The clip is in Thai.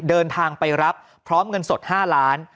เดินทางไปรับพร้อมเงินสด๕ล้าน